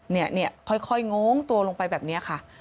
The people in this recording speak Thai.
เนี่ยค่อยโง้งตัวลงไปแบบนี้ค่ะ